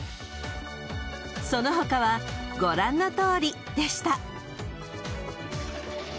［その他はご覧のとおりでした］